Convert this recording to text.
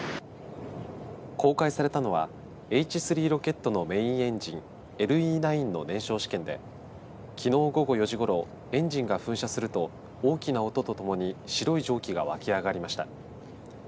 公開されたのはＨ３ロケットのメインエンジンＬＥ−９の燃焼試験できのう午後４時ごろエンジンが噴射すると大きな音とともに白い蒸気がわき上がりました。